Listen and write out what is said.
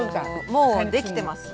もうできてます。